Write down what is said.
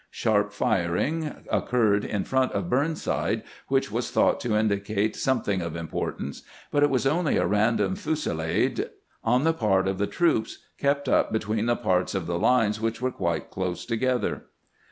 Sharp firing occurred in front of Burnside, which was thought to indicate some thing of importance ; but it was only a random fusillade on the part of the troops, kept up between the parts of the lines which were quite close together.